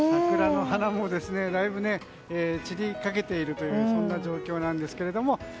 桜の花もだいぶ散りかけているというそんな状況なんですけれども。